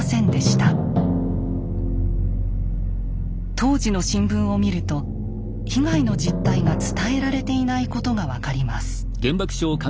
当時の新聞を見ると被害の実態が伝えられていないことが分かります。